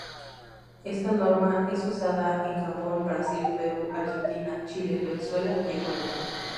Esta norma es usada en Japón, Brasil, Perú, Argentina, Chile, Venezuela y Ecuador.